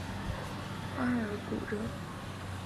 阿尔古热。